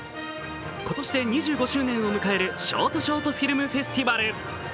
今年で２５周年を迎えるショートショートフィルムフェスティバル。